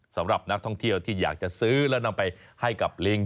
สำหรับนักท่องเที่ยวที่อยากจะซื้อแล้วนำไปให้กับลิง